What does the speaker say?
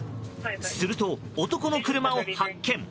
すると、男の車を発見。